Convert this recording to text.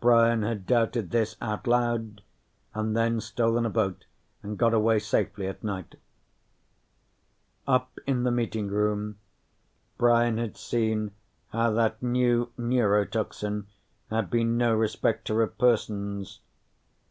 Brian had doubted this out loud, and then stolen a boat and got away safely at night. Up in the meeting room, Brian had seen how that new neurotoxin had been no respecter of persons.